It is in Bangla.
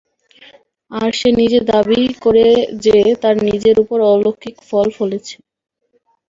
আর সে নিজে দাবী করে যে, তার নিজের উপর অলৌকিক ফল ফলেছে।